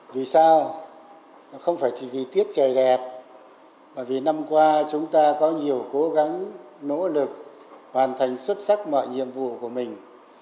vì sao không phải chỉ vì tiết trời đẹp mà vì năm qua chúng ta có nhiều cố gắng nỗ lực hoàn thành xuất sắc mọi nhiệm vụ của mình